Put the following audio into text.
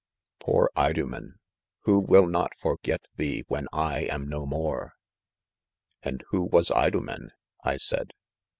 Poor Idomen!' who will not forget thee when I am no more V 9 " And who was% Idomen 1 " I said.